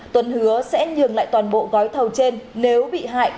tuấn hứa sẽ nhường lại toàn bộ gói thầu trên nếu bị hại